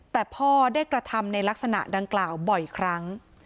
แต่พ่อได้กระทำในลักษณะดังกล่าวบ่อยครั้ง